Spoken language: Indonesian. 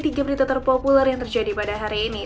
tiga berita terpopuler yang terjadi pada hari ini